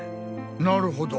なるほど。